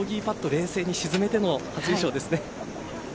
冷静に沈めての初優勝ですね。